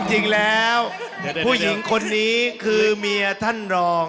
จริงแล้วผู้หญิงคนนี้คือเมียท่านรอง